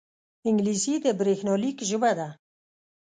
انګلیسي د بریښنالیک ژبه ده